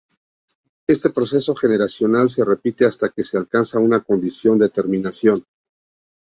Este proceso generacional se repite hasta que se alcanza una condición de terminación.